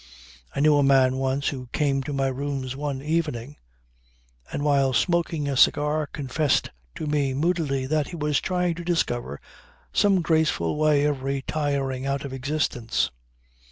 I knew a man once who came to my rooms one evening, and while smoking a cigar confessed to me moodily that he was trying to discover some graceful way of retiring out of existence.